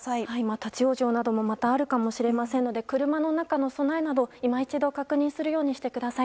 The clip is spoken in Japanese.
立ち往生などもまたあるかもしれませんので車の中の備えなどいま一度確認するようにしてください。